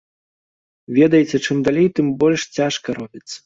Ведаеце, чым далей, тым больш цяжка робіцца.